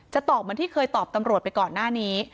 ตอบเหมือนที่เคยตอบตำรวจไปก่อนหน้านี้